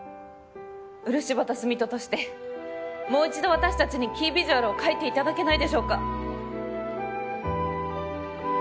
漆畑澄人としてもう一度私たちにキービジュアルを描いて頂けないでしょうか？